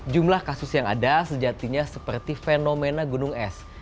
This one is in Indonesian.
jumlah kasus yang ada sejatinya seperti fenomena gunung es